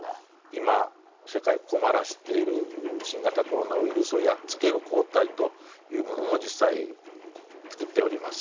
今世界をこまらせている新型コロナウイルスをやっつける抗体というものも実際作っております。